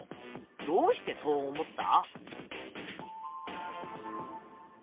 どうしてそう思った？